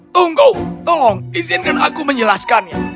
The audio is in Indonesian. tunggu tolong izinkan aku menjelaskannya